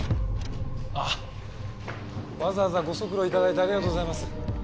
あっわざわざご足労頂いてありがとうございます。